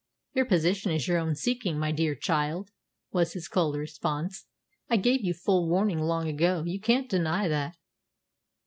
"Your position is only your own seeking, my dear child," was his cold response. "I gave you full warning long ago. You can't deny that."